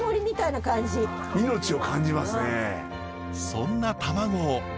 そんな卵を。